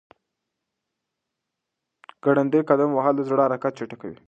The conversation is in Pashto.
ګړندی قدم وهل د زړه حرکت چټکوي.